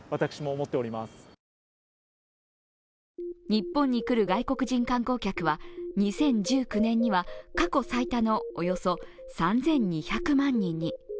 日本に来る外国人観光客は２０１９年には過去最多のおよそ３２００万人に。